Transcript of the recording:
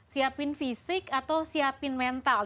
siapin fisik atau siapin mental